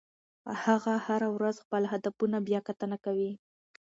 هغه هره ورځ خپل هدفونه بیاکتنه کوي.